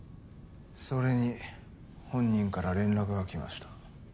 それに本人から連絡が来ました。